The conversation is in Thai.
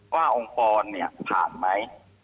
องค์กรเนี่ยผ่านไหม